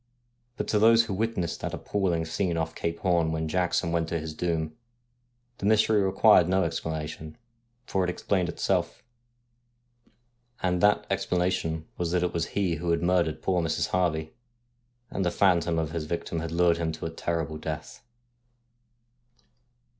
But to those who witnessed that appalling scene off Cape Horn when Jackson went to his doom, the mystery required no explanation, for it explained itself : and that explanation was that it was he who had murdered poor Mrs. Harvey, and the phantom of his victim had lured him to a terrible death.